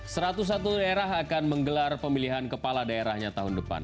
satu ratus satu daerah akan menggelar pemilihan kepala daerahnya tahun depan